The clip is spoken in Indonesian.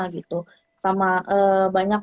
gitu sama banyak